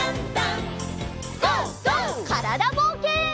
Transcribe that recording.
からだぼうけん。